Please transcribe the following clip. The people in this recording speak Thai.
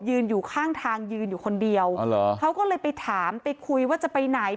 อยู่ข้างทางยืนอยู่คนเดียวอ๋อเหรอเขาก็เลยไปถามไปคุยว่าจะไปไหน